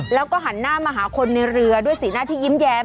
แล้วก็หันหน้ามาหาคนในเรือด้วยสีหน้าที่ยิ้มแย้ม